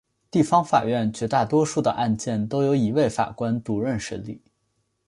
地方法院绝大多数的案件都由一位法官独任审理。